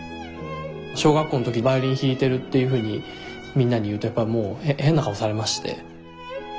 小学校の時バイオリン弾いてるっていうふうにみんなに言うとやっぱもう変な顔をされまして。